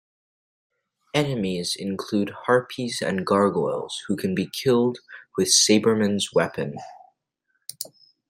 Enemies include harpies and gargoyles, who can be killed with Sabreman's weapon.